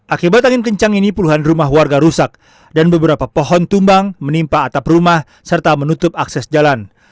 akibat angin kencang ini puluhan rumah warga rusak dan beberapa pohon tumbang menimpa atap rumah serta menutup akses jalan